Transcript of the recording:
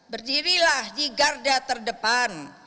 berdirilah di garda terdepan